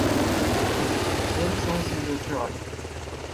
Simpson civil trial.